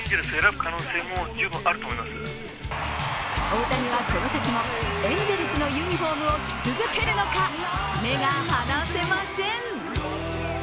大谷はこの先もエンゼルスのユニフォームを着続けるのか、目が離せません。